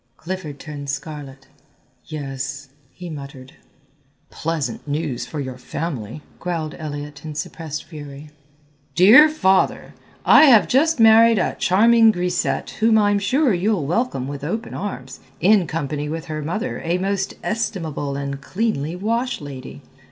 Clifford turned scarlet. "Yes," he muttered. "Pleasant news for your family," growled Elliott in suppressed fury. "'Dear father, I have just married a charming grisette whom I'm sure you'll welcome with open arms, in company with her mother, a most estimable and cleanly washlady.'